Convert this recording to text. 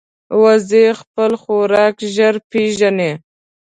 وزې خپل خوراک ژر پېژني